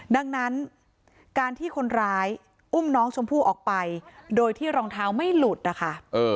ดังนั้นการที่คนร้ายอุ้มน้องชมพู่ออกไปโดยที่รองเท้าไม่หลุดนะคะ